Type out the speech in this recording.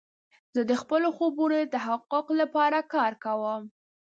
زه د خپلو خوبونو د تحقق لپاره کار کوم.